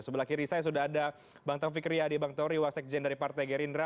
sebelah kiri saya sudah ada bang taufik riyadi bang tori wasikjen dari partai gerindra